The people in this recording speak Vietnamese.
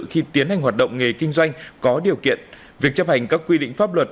khi tiến hành hoạt động nghề kinh doanh có điều kiện việc chấp hành các quy định pháp luật